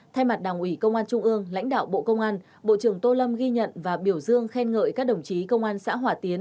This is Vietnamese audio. thay mặt đảng ủy công an trung ương lãnh đạo bộ công an bộ trưởng tô lâm ghi nhận và biểu dương khen ngợi các đồng chí công an xã hòa tiến